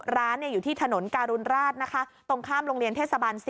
ร้านอยู่ที่ถนนการุณราชนะคะตรงข้ามโรงเรียนเทศบาล๔